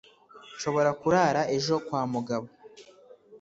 Nshobora kurara ejo kwa Mugabo?